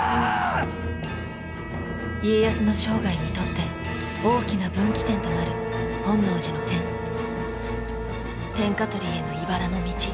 家康の生涯にとって大きな分岐点となる本能寺の変天下取りへのいばらの道